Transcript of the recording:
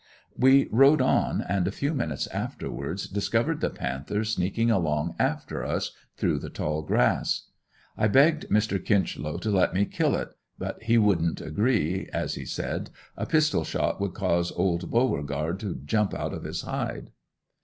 We rode on and a few minutes afterwards discovered the panther sneaking along after us through the tall grass. I begged Mr. Kinchlow to let me kill it, but he wouldn't agree, as, he said, a pistol shot would cause old Beauregard to jump out of his hide.